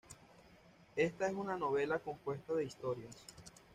Esta es una novela compuesta de historias.